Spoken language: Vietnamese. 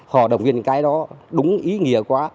họ đồng viên cái đó đúng ý nghĩa quá